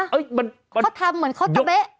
เขาทำเหมือนเขาจะเบ๊ะ